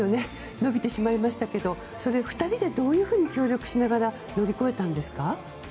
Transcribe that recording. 延びてしまいましたけどそれ２人でどういうふうに協力しながら乗り越えたんですか？